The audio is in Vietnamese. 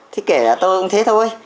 thì kể là tôi cũng thế thôi